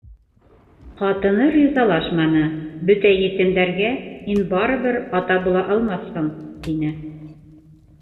Ҡатыны ризалашманы, «Бөтә етемдәргә һин барыбер ата була алмаҫһың», тине.